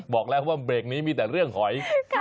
บอกแล้วว่าเบรกนี้มีแต่เรื่องหอย